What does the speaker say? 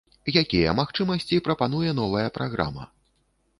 Якія магчымасці прапануе новая праграма?